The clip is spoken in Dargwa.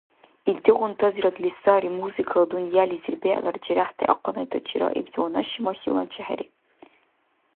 Илдигъунтазирадли сари музыкала дунъялизир бегӀлара черяхӀти ахъанайтачи раибси ванашимахьилан чехьери.